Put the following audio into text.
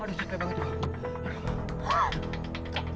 aduh capek banget gue